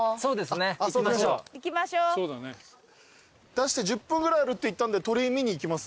出して１０分ぐらいあるって言ったんで鳥居見に行きます？